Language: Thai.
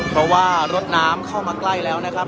เพราะว่ารถน้ำเข้ามาใกล้แล้วนะครับ